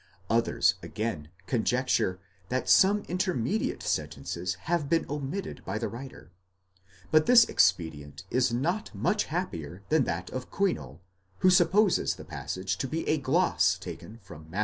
Others, again, conjecture that some intermediate sentences have been omitted by the writer ;? but this expedient is not much happier than that of Kuindl, who supposes the passage to be a gloss taken from Matt.